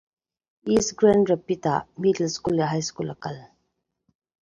He attended middle school and high school at East Grand Rapids.